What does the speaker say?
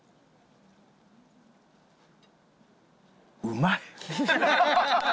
うまい。